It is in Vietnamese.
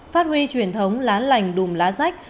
phát huy truyền thống lá lành đùm lá rách